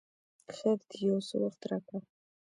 خیر دی یو څه وخت راکړه!